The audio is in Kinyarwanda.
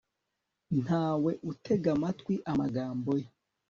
nta we utega amatwi amagambo ye